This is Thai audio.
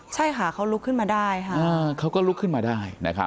ใช่ค่ะเขาลุกขึ้นมาได้ค่ะเขาก็ลุกขึ้นมาได้นะครับ